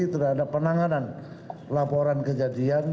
terhadap penanganan laporan kejadian